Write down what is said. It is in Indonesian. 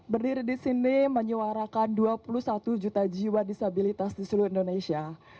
berdiri di sini menyuarakan dua puluh satu juta jiwa disabilitas di seluruh indonesia